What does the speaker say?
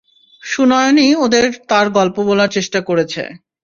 সুনয়নী ওদের তার গল্প বলার চেষ্টা করেছে।